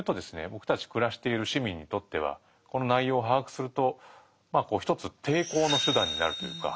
僕たち暮らしている市民にとってはこの内容を把握すると一つ抵抗の手段になるというか。